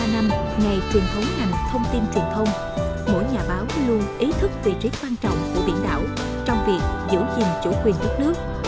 bốn mươi năm ngày truyền thống ngành thông tin truyền thông mỗi nhà báo luôn ý thức vị trí quan trọng của biển đảo trong việc giữ gìn chủ quyền đất nước